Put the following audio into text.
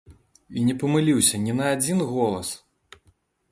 І не памыліўся ні на адзін голас!